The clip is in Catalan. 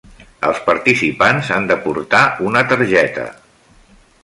Els participants han de portar una targeta.